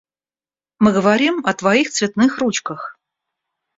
Мы говорим о твоих цветных ручках.